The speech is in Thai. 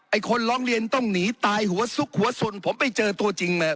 ไอ้คนร้องเรียนต้องหนีตายหัวสุขหัวสุลผมไม่เจอตัวจริงแม่